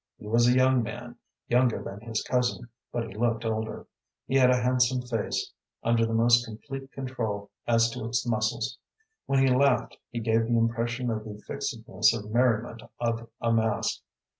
He was a young man, younger than his cousin, but he looked older. He had a handsome face, under the most complete control as to its muscles. When he laughed he gave the impression of the fixedness of merriment of a mask.